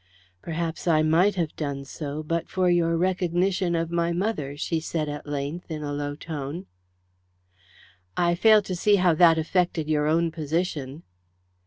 "Perhaps I might have done so but for your recognition of my mother," she said at length, in a low tone. "I fail to see how that affected your own position."